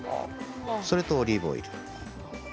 それとオリーブオイル。